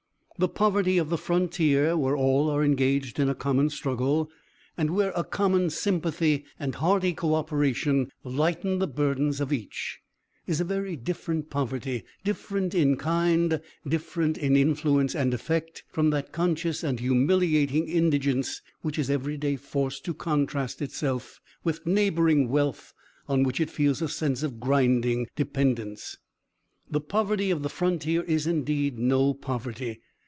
The poverty of the frontier, where all are engaged in a common struggle, and where a common sympathy and hearty co operation lighten the burdens of each, is a very different poverty, different in kind, different in influence and effect, from that conscious and humiliating indigence which is every day forced to contrast itself with neighboring wealth on which it feels a sense of grinding dependence. The poverty of the frontier is indeed no poverty.